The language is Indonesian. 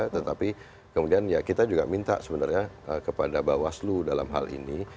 tetapi kemudian ya kita juga minta sebenarnya kepada bawaslu dalam hal ini